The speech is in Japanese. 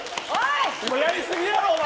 やりすぎやろ、お前。